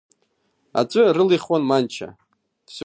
Аҵәы рылихуан Манча.